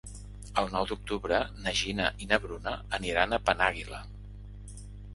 El nou d'octubre na Gina i na Bruna aniran a Penàguila.